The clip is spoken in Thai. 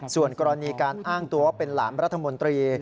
ส่วนกรณีการอ้างตัวว่าเป็นหลานรัฐมนตรี